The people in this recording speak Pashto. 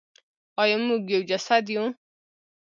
آیا موږ یو جسد یو؟